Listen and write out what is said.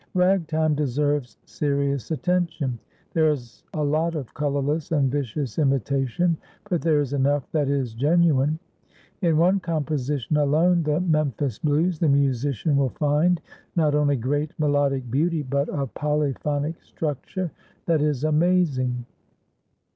Ragtime deserves serious attention. There is a lot of colorless and vicious imitation, but there is enough that is genuine. In one composition alone, "The Memphis Blues," the musician will find not only great melodic beauty, but a polyphonic structure that is amazing.